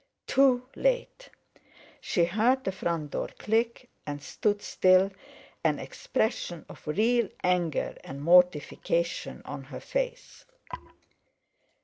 Too late! She heard the front door click, and stood still, an expression of real anger and mortification on her face.